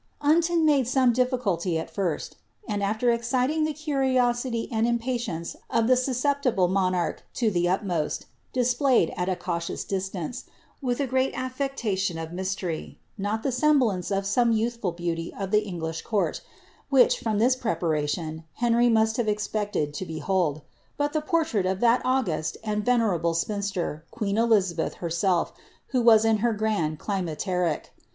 Unton made some difficulty at first, and, after exciting the curiosity and impatience of the susceptible mo narch to the utmost, displayed, at a cautious distance, and with a great ifiectation of mystery, not the semblance of some youthful beauty of the English court, which, from this preparation, Henry must have ex pected to behold, but the portrait of that august and venerable spinster, queen Elizabeth herself, who was in her grand climacteric.